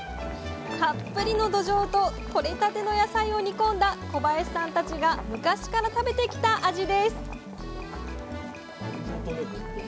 たっぷりのどじょうととれたての野菜を煮込んだ小林さんたちが昔から食べてきた味です